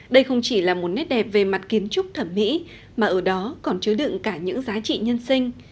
đây không chỉ là một nét đẹp về mặt kiến trúc thẩm mỹ mà ở đó còn chứa đựng cả những giá trị nhân sinh